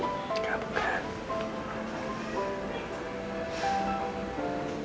ini bukan mimpi